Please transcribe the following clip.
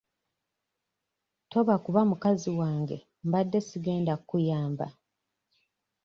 Toba kuba mukazi wange mbadde sigenda kkuyamba.